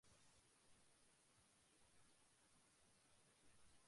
আলিপুরদুয়ার থানা নিয়ে এই ব্লক গঠিত।